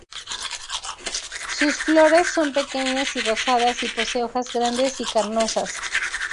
Sus flores son pequeñas y rosadas y posee hojas grandes y carnosas.